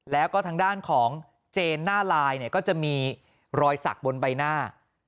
แล้วก็ทางด้านของเจนหน้าลายเนี่ยก็จะมีรอยสักบนใบหน้า